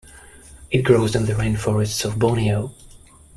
It grows in the rainforests of Borneo.